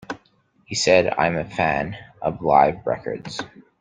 He said, I am a fan of live records.